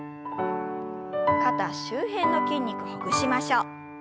肩周辺の筋肉ほぐしましょう。